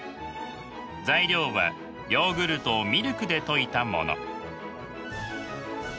材料はヨーグルトをミルクで溶いたもの。